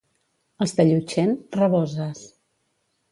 Els de Llutxent, raboses.